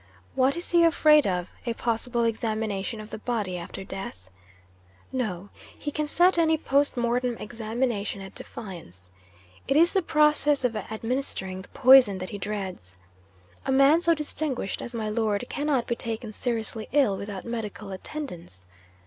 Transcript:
What is he afraid of? a possible examination of the body after death? No: he can set any post mortem examination at defiance. It is the process of administering the poison that he dreads. A man so distinguished as my Lord cannot be taken seriously ill without medical attendance.